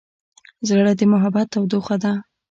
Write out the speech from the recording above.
زړه د محبت تودوخه ده.